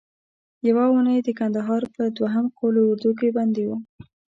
یوه اونۍ د کندهار په دوهم قول اردو کې بندي وم.